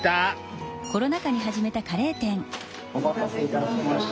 お待たせいたしました。